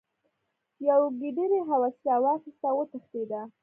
یوې ګیدړې هوسۍ راواخیسته او وتښتیده.